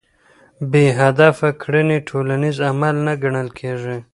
بې هدفه کړنې ټولنیز عمل نه ګڼل کېږي.